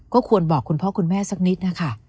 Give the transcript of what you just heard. ก็ควรบอกคุณพ่อคุณแม่สักนิดนะคะ